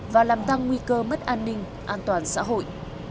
và làm tăng nguy cơ mất an ninh an toàn xã hội